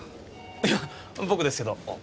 いや僕ですけど。